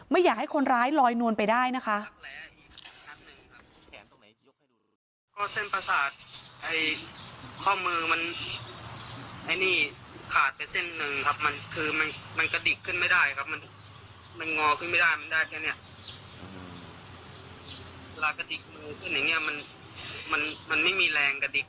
อยากให้คนร้ายลอยนวลไปได้นะคะ